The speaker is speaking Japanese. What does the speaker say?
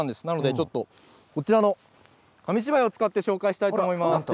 なので、ちょっとこちらの紙芝居を使って紹介したいと思います。